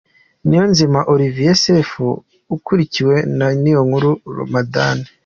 Niyonzima Olivier Sefu akurikiwe na Niyonkuru Ramadhan .